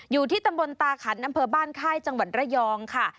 อยู่ที่ตำบลตาขันอำเภอบ้านค่ายจังหวัดระยองค่ะ